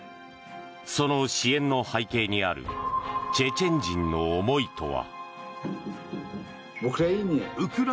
その支援の背景にあるチェチェン人の思いとは。